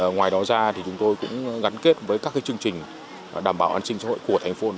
ngoài đó ra chúng tôi cũng gắn kết với các chương trình đảm bảo an sinh xã hội của thành phố hà nội